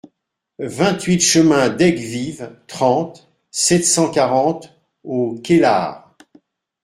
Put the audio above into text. vingt-huit chemin d'Aigues-Vives, trente, sept cent quarante au Cailar